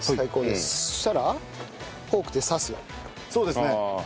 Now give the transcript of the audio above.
そうですね。